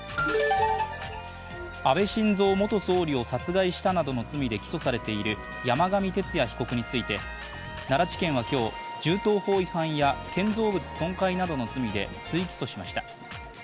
安倍晋三元総理を殺害したなどの罪で起訴されている山上徹也被告について奈良地検は今日銃刀法違反や建造物損壊などの罪で追起訴しました。